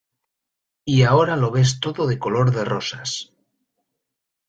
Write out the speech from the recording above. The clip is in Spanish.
y ahora lo ves todo de color de rosas.